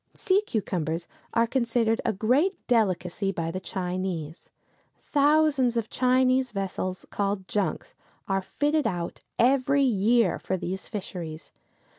Sea cucumbers are considered a great delicacy by the Chinese. Thousands of Chinese vessels, called junks, are fitted out every year for these fisheries.